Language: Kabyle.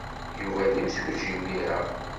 Yuba d imsujji imir-a.